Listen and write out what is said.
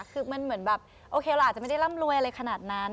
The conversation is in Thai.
คือมันเหมือนแบบโอเคเราอาจจะไม่ได้ร่ำรวยอะไรขนาดนั้น